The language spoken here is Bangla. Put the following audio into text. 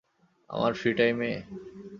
আমার ফ্রি টাইমে?